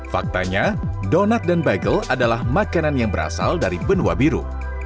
faktanya donat dan bagel adalah makanan yang berasal dari benua biru